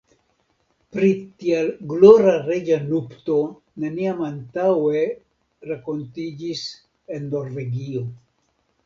Pri tia glora reĝa nupto neniam antaŭe rakontiĝis en Norvegio.